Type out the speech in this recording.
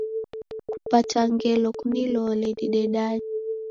Kapata ngelo kunilole didedanye